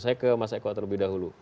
saya ke mas eko terlebih dahulu